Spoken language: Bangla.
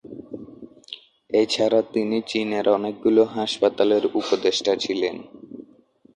এছাড়া তিনি চীনের অনেকগুলো হাসপাতালের উপদেষ্টা ছিলেন।